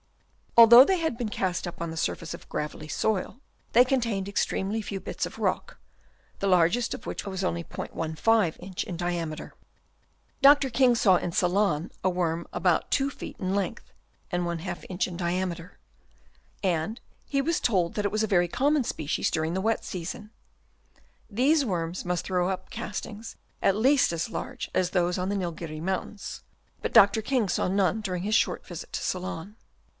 Although they had been cast up on the surface of gravelly soil, they contained extremely few bits of rock, the largest of which was only '15 inch in diameter. Dr. King saw in Ceylon a worm about 2 feet in length and ^ inch in diameter ; and he was told that it was a very common species during the wet season. These worms must throw up castings at least as large as those on the Nilgiri Mountains ; but Dr. King saw none during his short visit to Ceylon.